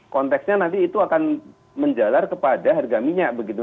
konteksnya nanti itu akan menjalar kepada harga minyak begitu